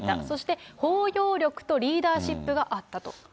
そして包容力とリーダーシップがあったと。